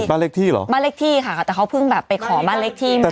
บ้านเลขที่เหรอบ้านเลขที่ค่ะแต่เขาเพิ่งแบบไปขอบ้านเลขที่มา